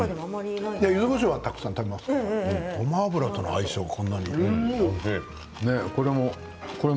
ゆずこしょうは福岡ではたくさん食べますけどごま油との相性はそんなに。